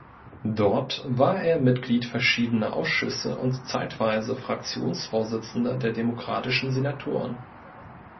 Dort war er Mitglied verschiedener Ausschüsse und zeitweise Fraktionsvorsitzender der demokratischen Senatoren.